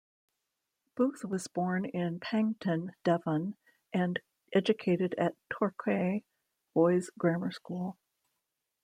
Booth was born in Paignton, Devon and educated at Torquay Boys' Grammar School.